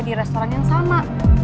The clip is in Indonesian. di restoran yang sama